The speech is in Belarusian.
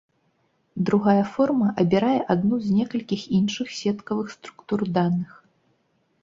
Другая форма абірае адну з некалькіх іншых сеткавых структур даных.